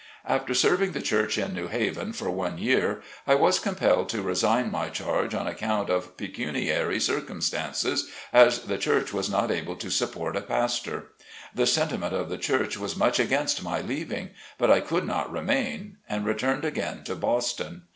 After serving the church in New Haven for one year I was compelled to resign my charge on account of pecuniary circumstances, as the church was not able to support a pastor. The sentiment of the church was much against my leaving, but I could not remain, and returned again to Boston.